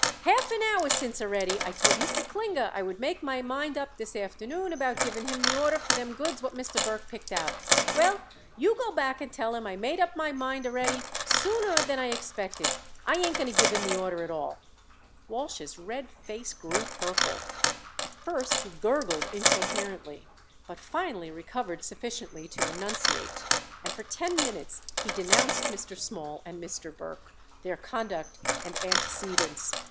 Half an hour since already I told Mr. Klinger I would make up my mind this afternoon about giving him the order for them goods what Mr. Burke picked out. Well, you go back and tell him I made up my mind already, sooner than I expected. I ain't going to give him the order at all." Walsh's red face grew purple. At first he gurgled incoherently, but finally recovered sufficiently to enunciate; and for ten minutes he denounced Mr. Small and Mr. Burke, their conduct and antecedents.